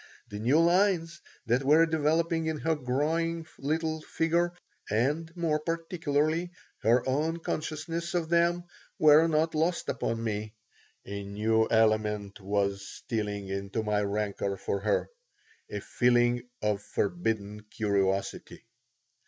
The new lines that were developing in her growing little figure, and more particularly her own consciousness of them, were not lost upon me. A new element was stealing into my rancor for her a feeling of forbidden curiosity.